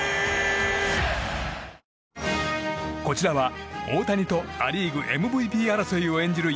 こちらは、大谷とア・リーグＭＶＰ争いを演じる